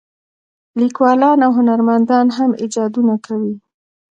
لیکوالان او هنرمندان هم ایجادونه کوي.